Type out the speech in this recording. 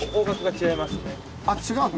違うの？